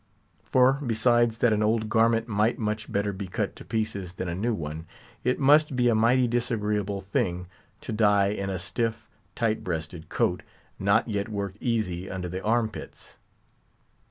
For, besides that an old garment might much better be cut to pieces than a new one, it must be a mighty disagreeable thing to die in a stiff, tight breasted coat, not yet worked easy under the arm pits.